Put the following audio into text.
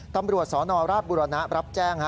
ตำรวจสนราชบุรณะรับแจ้ง